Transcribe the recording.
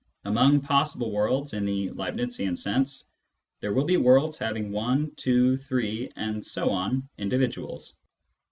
Among " possible " worlds, in the Leibnizian sense, there will be worlds having one, two, three, ... individuals.